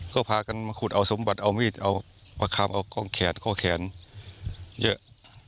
ก็พากันมาขุดเอาสมบัติเอามีดเอาประคับเอาข้อแขนข้อแขนเยอะ